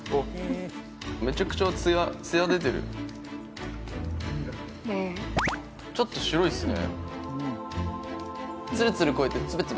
めちゃくちゃツヤちょっと白いっすね